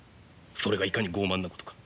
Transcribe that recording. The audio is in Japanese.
それがいかに傲慢なことか。